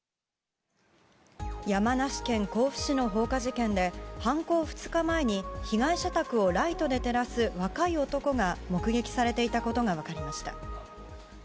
山梨県甲府市の放火事件で犯行２日前に被害者宅をライトで照らす若い男が目撃されていたことが分かりました。